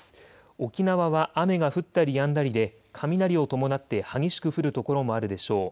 沖縄は雨が降ったりやんだりで雷を伴って激しく降る所もあるでしょう。